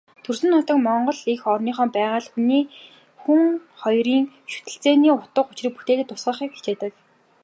Төрсөн нутаг, Монгол эх орныхоо байгаль, хүн хоёрын шүтэлцээний утга учрыг бүтээлдээ тусгахыг хичээдэг.